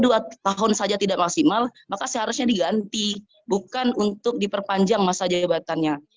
dua tahun saja tidak maksimal maka seharusnya diganti bukan untuk diperpanjang masa jabatannya